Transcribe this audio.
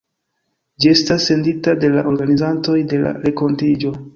Ĝi estas sendita de la organizantoj de la renkontiĝo.